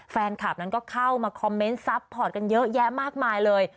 แฟนคลับนั้นก็เข้ามาคอมเมนต์ซัพพอร์ตกันเยอะแยะมากมายเลย